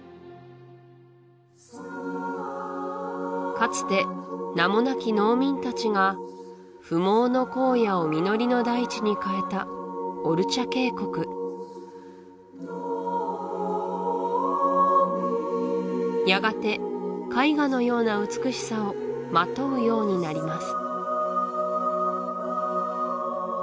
かつて名もなき農民たちが不毛の荒野を実りの大地に変えたオルチャ渓谷やがて絵画のような美しさをまとうようになります